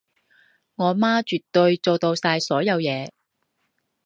我媽絕對做到晒所有嘢